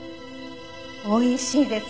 おいしいです。